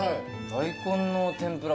大根の天ぷら